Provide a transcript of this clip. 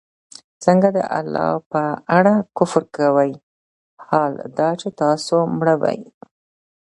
څنگه د الله په اړه كفر كوئ! حال دا چي تاسو مړه وئ